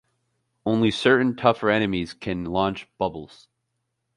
Only certain tougher enemies can launch bubbles.